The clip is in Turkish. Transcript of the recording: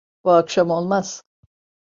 Bu akşam olmaz.